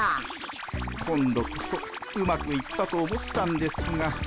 今度こそうまくいったと思ったんですが。